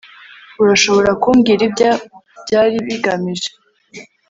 urashobora kumbwira ibyo byari bigamije